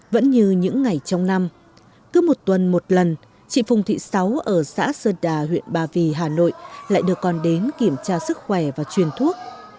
vẫn như những ngày trong năm cứ một tuần một lần chị phùng thị sáu ở xã sơn đà huyện ba vì hà nội lại được con đến kiểm tra sức khỏe và truyền thuốc